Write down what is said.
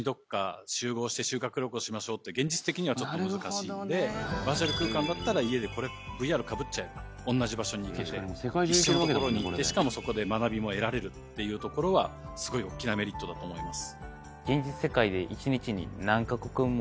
しかしやっぱりそのバーチャル空間だったら家で ＶＲ かぶっちゃえば同じ場所に行けて一緒の所に行ってしかもそこで学びも得られるっていうところはすごい大きなメリットだと思います。